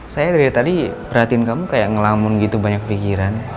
saya dari tadi perhatiin kamu kayak ngelamun gitu banyak pikiran